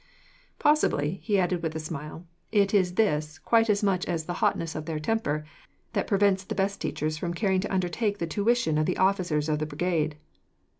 "Possibly," he added, with a smile, "it is this, quite as much as the hotness of their temper, that prevents the best teachers from caring to undertake the tuition of the officers of the Brigade."